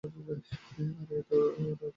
আরে এতো রাতে, কিসের আর্জেন্ট?